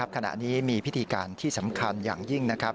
ขณะนี้มีพิธีการที่สำคัญอย่างยิ่งนะครับ